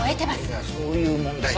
いやそういう問題じゃ。